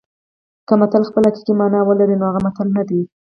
که متل خپله حقیقي مانا ولري نو هغه متل نه دی